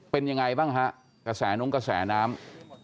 เป็นอย่างไรบ้างคะกระแสนมน้ำ